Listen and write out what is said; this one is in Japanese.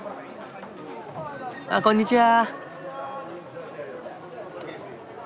あっこんにちは。